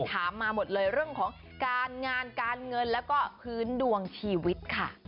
ถามมาหมดเลยเรื่องของการงานการเงินแล้วก็พื้นดวงชีวิตค่ะ